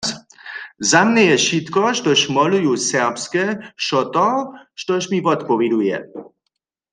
Za mnje je wšitko, štož moluju, serbske, wšo to, štož mi wotpowěduje.